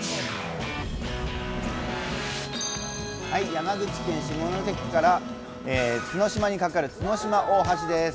山口県下関市から角島にかかる角島大橋です。